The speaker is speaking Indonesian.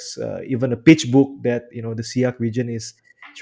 bahkan buku pijak yang diberikan oleh siak region ini